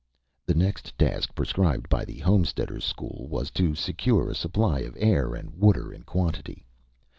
The next task prescribed by the Homesteaders' School was to secure a supply of air and water in quantity.